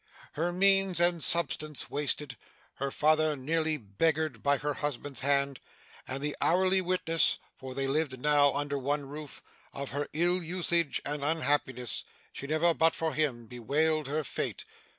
Her means and substance wasted; her father nearly beggared by her husband's hand, and the hourly witness (for they lived now under one roof) of her ill usage and unhappiness, she never, but for him, bewailed her fate.